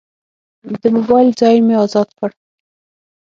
د موبایل ځای مې ازاد کړ.